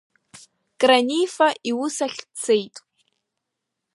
Кранифа, иус ахь дцеит.